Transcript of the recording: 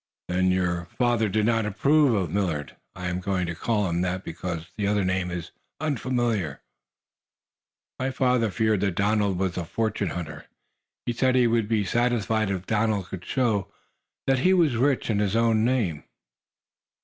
"Then your father did not approve Millard? I am going to call him that because the other name is unfamiliar." "My father feared that Donald was a fortune hunter. He said he would be satisfied if Donald could show that he were rich in his own name."